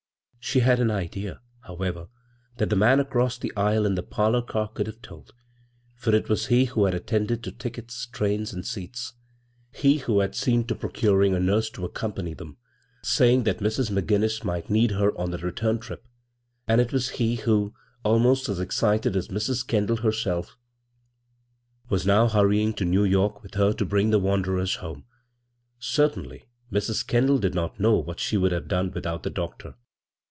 She had an idea, however, that the man across the aisle in the parlor car could have told ; for it was he who had attended to tickets, trains, and seats ; he 86 bvGoog[c CROSS CURRENTS who had seen to procuring a nurse to acconi' pany them — saying' that Mrs. McGinnis might need her on the return trip ; and it was he who, almost as excited as Mrs. Kendall herself, was now hurrying to New York with her to bring the wanderers home. Certainly Mrs. Kendall did not know what she would have done without the doctor.